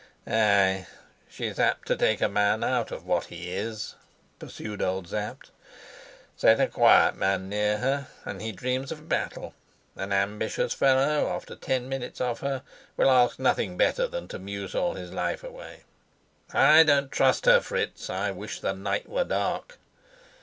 "Ay, she's apt to take a man out of what he is," pursued old Sapt. "Set a quiet man near her, and he dreams of battle; an ambitious fellow, after ten minutes of her, will ask nothing better than to muse all his life away. I don't trust her, Fritz; I wish the night were dark."